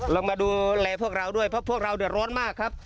เรามาดูแลพวกเราด้วยเพราะพวกเราเดือดร้อนมากครับ